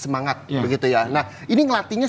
semangat begitu ya nah ini ngelatihnya